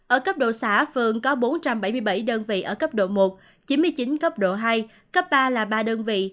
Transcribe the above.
ở cấp độ xã phường có bốn trăm bảy mươi bảy đơn vị ở cấp độ một chín mươi chín cấp độ hai cấp ba là ba đơn vị